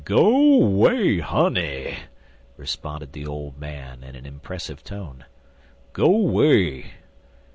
"Go 'way, honey!" responded the old man, in an impressive tone. "Go way!